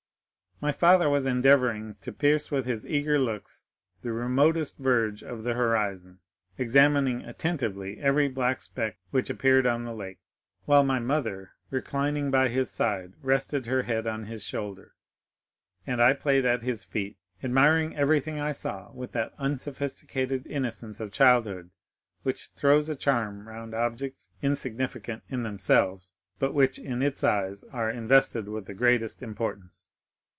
My father was endeavoring to pierce with his eager looks the remotest verge of the horizon, examining attentively every black speck which appeared on the lake, while my mother, reclining by his side, rested her head on his shoulder, and I played at his feet, admiring everything I saw with that unsophisticated innocence of childhood which throws a charm round objects insignificant in themselves, but which in its eyes are invested with the greatest importance.